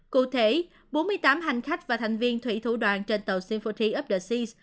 cụ thể bốn mươi tám hành khách và thành viên thủy thủ đoàn trên tàu symphony of the sea